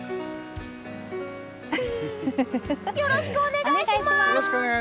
よろしくお願いします！